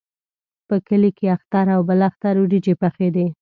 په کلي کې اختر او بل اختر وریجې پخېدې.